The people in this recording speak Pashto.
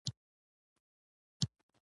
الوتکه د اسمان ښکاریږي.